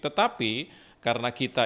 tetapi karena kita